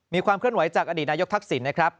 มีความเคลื่อนไหวจากอดีตนายกทักษิณนะครับ